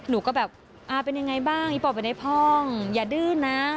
หนูก็แบบเป็นยังไงบ้างอุ๊ยป่อบเป็นใดพร่องอย่าดื้อนะ